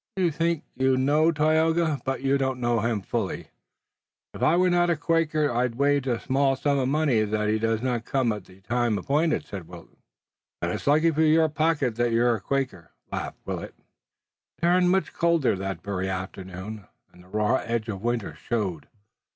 "You think you know Tayoga, but you don't yet know him fully." "If I were not a Quaker I'd wager a small sum of money that he does not come at the time appointed," said Wilton. "Then it's lucky for your pocket that you're a Quaker," laughed Willet. It turned much colder that very afternoon, and the raw edge of winter showed.